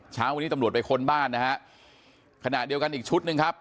เช้าวันนี้ตำรวจไปค้นบ้านนะฮะขณะเดียวกันอีกชุดหนึ่งครับ